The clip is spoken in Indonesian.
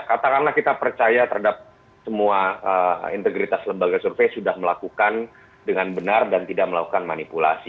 katakanlah kita percaya terhadap semua integritas lembaga survei sudah melakukan dengan benar dan tidak melakukan manipulasi